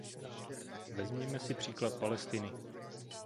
Vezměme si příklad Palestiny.